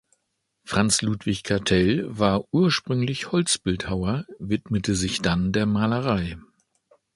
Franz Ludwig Catel war ursprünglich Holzbildhauer, widmete sich dann der Malerei.